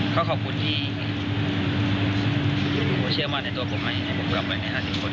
ขอขอบคุณที่เชื่อมั่นในตัวผมให้กลับมาในรอบ๕๐คน